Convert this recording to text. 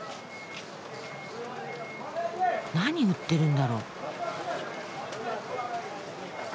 何売ってるんだろう？